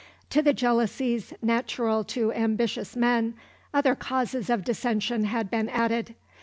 To the jealousies natural to ambitious men other causes of dissension had been added.